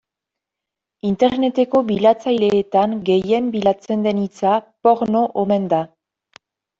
Interneteko bilatzaileetan gehien bilatzen den hitza porno omen da.